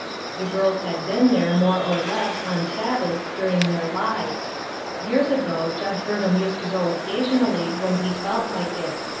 The girls had been there, more or less, on Sabbaths, during their lives. Years ago Judge Burnham used to go occasionally, when he felt like it.